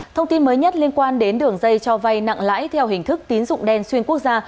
thông tin mới nhất liên quan đến đường dây cho vay nặng lãi theo hình thức tín dụng đen xuyên quốc gia